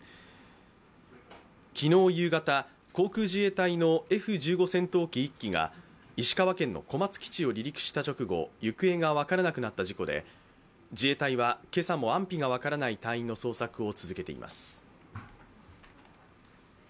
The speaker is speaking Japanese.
昨日夕方、航空自衛隊のＦ１５戦闘機１機が石川県の小松基地を離陸した直後行方が分からなくなった事故で自衛隊は今朝も安否が分からない隊員の捜索を続けています。